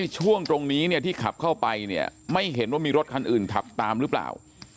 ช่วงตรงนี้เนี่ยที่ขับเข้าไปเนี่ยไม่เห็นว่ามีรถคันอื่นขับตามหรือเปล่า